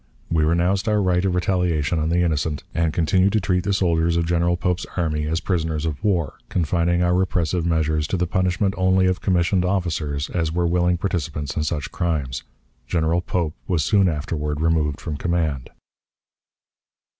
We renounced our right of retaliation on the innocent, and continued to treat the soldiers of General Pope's army as prisoners of war, confining our repressive measures to the punishment only of commissioned officers as were willing participants in such crimes. General Pope was soon afterward removed from command.